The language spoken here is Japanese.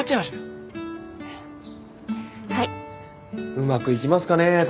うまくいきますかね高木さん。